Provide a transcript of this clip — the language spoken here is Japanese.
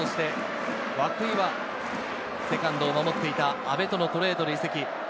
涌井はセカンドを守っていた阿部とのトレードで移籍。